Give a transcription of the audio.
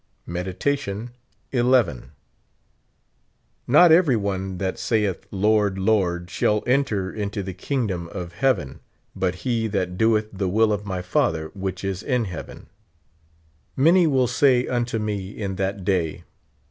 Meditation XI. "Not every one that saith, Lord, Lord, shall enter into the kingdom'^of heaven, but he that doeth the will of my Father which is in heaven. Many will say unto me in that day.